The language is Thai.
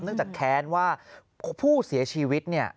เนื่องจากแค้นว่าผู้เสียชีวิต